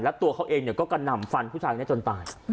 แล้วตัวเขาเองก็กระหน่ำฟันผู้ชายคนนี้จนตาย